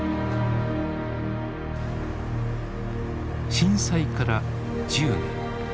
震災から１０年。